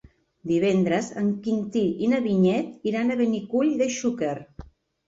Divendres en Quintí i na Vinyet iran a Benicull de Xúquer.